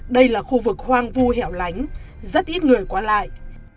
đây là khu vực hoang vu hẹo lánh rất ít người qua lại